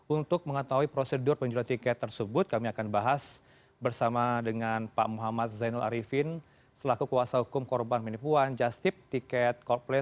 untuk mengetahui prosedur penjualan tiket tersebut kami akan bahas bersama dengan pak muhammad zainul arifin selaku kuasa hukum korban penipuan just tip tiket coldplay